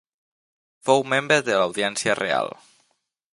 Fou membre de l'Audiència Reial.